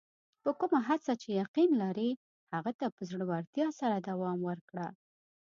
په کومه هڅه چې یقین لرې، هغه ته په زړۀ ورتیا سره دوام ورکړه.